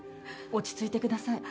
落ち着いてください